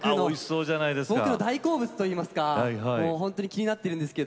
僕の大好物といいますか本当に気になっているんですが